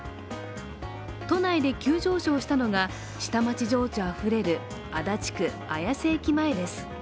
都内で急上昇したのが、下町情緒あふれる足立区・綾瀬駅前です。